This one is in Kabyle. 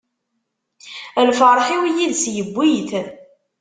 Lferḥ-iw yid-s yewwi-t.